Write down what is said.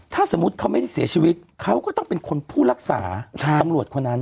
ถ้าสมมุติเขาไม่ได้เสียชีวิตเขาก็ต้องเป็นคนผู้รักษาตำรวจคนนั้น